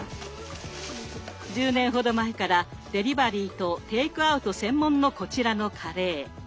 １０年ほど前からデリバリーとテイクアウト専門のこちらのカレー。